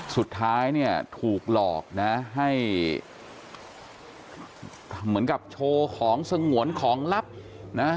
สุดท้ายเนี่ยถูกหลอกนะให้เหมือนกับโชว์ของสงวนของลับนะ